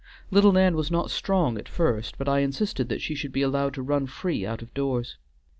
Little Nan was not strong at first, but I insisted that she should be allowed to run free out of doors.